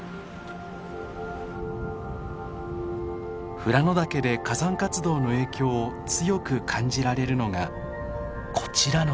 富良野岳で火山活動の影響を強く感じられるのがこちらの斜面。